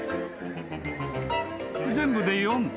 ［全部で４頭。